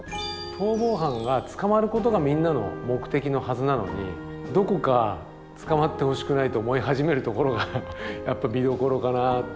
逃亡犯が捕まることがみんなの目的のはずなのにどこか捕まってほしくないと思い始めるところが見どころかな。